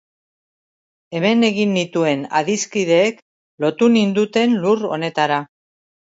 Hemen egin nituen adiskideek lotu ninduten lur honetara.